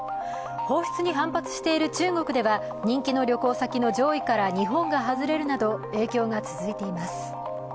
放出に反発している中国では人気の旅行先の上位から日本が外れるなど影響が続いています。